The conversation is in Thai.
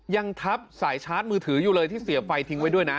ยังทับสายชาร์จมือถืออยู่เลยที่เสียบไฟทิ้งไว้ด้วยนะ